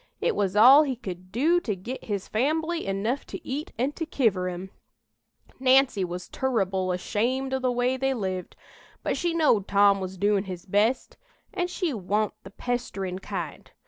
It was all he could do to git his fambly enough to eat and to kiver 'em. Nancy was turrible ashamed o' the way they lived, but she knowed Tom was doin' his best, an' she wa'n't the pesterin' kind.